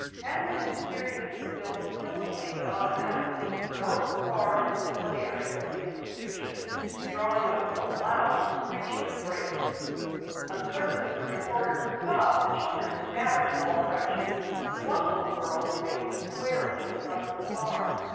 Handling the steering wheel skillfully, but automatically, he whirled the car into the play area of the institution, drawing up with a loud screeching of brakes. Uncertain that the reporter could stop, the children scattered in all directions. One little girl remained squarely in front of the car.